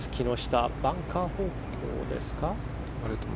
バンカー方向ですか。